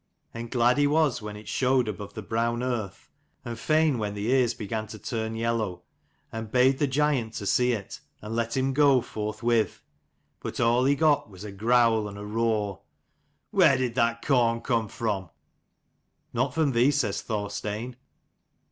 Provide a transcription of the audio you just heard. And glad he was when it showed above the brown earth, and fain when the ears began to turn yellow: and bade the giant see to it, and let him go forth with. But all he got was a growl and a roar. "Where did that corn come from?" "Not from thee," says Thorstein.